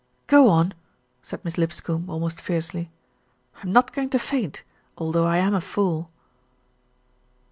"Go on," said Miss Lipscombe almost fiercely. "I'm not going to faint, although I am a fool."